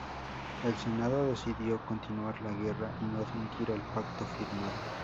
El Senado decidió continuar la guerra y no admitir el pacto firmado.